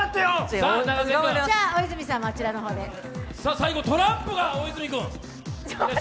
最後トランプが大泉君。